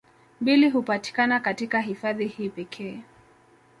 Mbili hupatikana katika hifadhi hii pekee